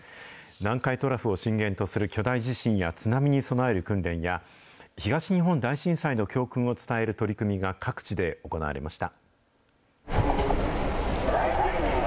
南海トラフを震源とする巨大地震や津波に備える訓練や、東日本大震災の教訓を伝える取り組みが、各地で行われました。